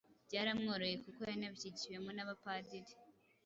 Byaramworoheye kuko yanabishigikiwemo n'Abapadiri